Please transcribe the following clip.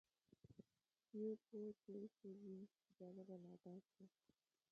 یې په اور کې وسوځي، جالبه لا دا چې.